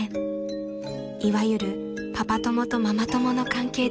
［いわゆるパパ友とママ友の関係でした］